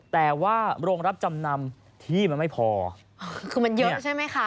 แต่ว่าโรงรับจำนำที่มันไม่พอคือมันเยอะใช่ไหมคะ